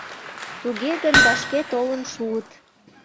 Туге гын вашке толын шуыт.